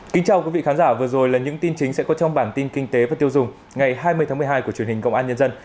kính chào quý vị khán giả vừa rồi là những tin chính sẽ có trong bản tin kinh tế và tiêu dùng ngày hai mươi tháng một mươi hai của truyền hình công an nhân dân